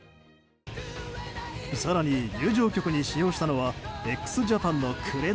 更に入場曲に使用したのはＸＪＡＰＡＮの「紅」。